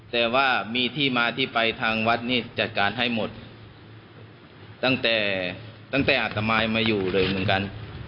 แต่ว่ามีที่มาที่ไปทางวัดนี่จัดการให้หมดตั้งแต่ตั้งแต่อัตมายมาอยู่เลยเหมือนกัน